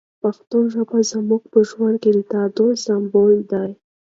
پښتو ژبه زموږ په ژوند کې د تعادل سمبول دی.